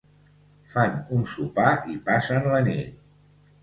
Fan un sopar i passen la nit.